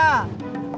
buat temen saya